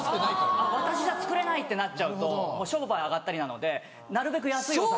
私じゃ作れないってなっちゃうと商売上がったりなのでなるべく安いお皿。